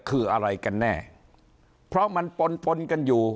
คืออะไรกันแน่เพราะมันปนปนกันอยู่